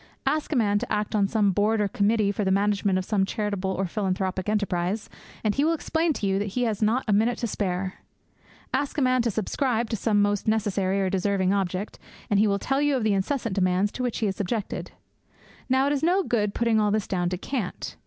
Ask a man to act on some board or committee for the management of some charitable or philanthropic enterprise, and he will explain to you that he has not a minute to spare. Ask a man to subscribe to some most necessary or deserving object, and he will tell you of the incessant demands to which he is subjected. Now it is no good putting all this down to cant.